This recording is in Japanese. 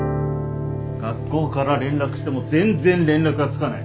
学校から連絡しても全然連絡がつかない。